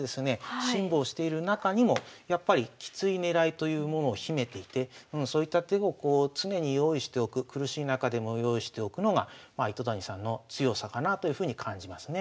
辛抱している中にもやっぱりきつい狙いというものを秘めていてそういった手をこう常に用意しておく苦しい中でも用意しておくのが糸谷さんの強さかなというふうに感じますね。